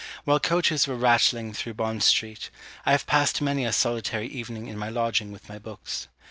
While coaches were rattling through Bond street, I have passed many a solitary evening in my lodging with my books.